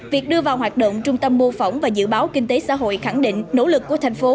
việc đưa vào hoạt động trung tâm mô phỏng và dự báo kinh tế xã hội khẳng định nỗ lực của thành phố